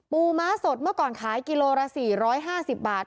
ม้าสดเมื่อก่อนขายกิโลละ๔๕๐บาท